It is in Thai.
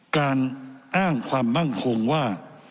การอ้างความมั่งคงว่า